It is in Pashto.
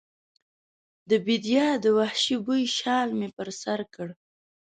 د بیدیا د وحشي بوی شال مې پر سر کړ